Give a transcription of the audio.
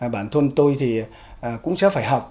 bản thân tôi thì cũng sẽ phải học